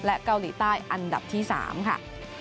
และเกาหลีใต้อันดับที่๓ค่ะ